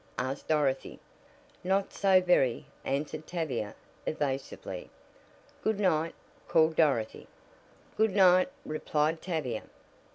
asked Dorothy. "Not so very," answered Tavia evasively. "Good night," called Dorothy. "Good night," replied Tavia.